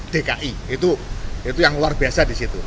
dki itu yang luar biasa di situ